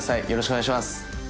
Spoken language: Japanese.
よろしくお願いします